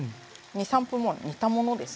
２３分煮たものです。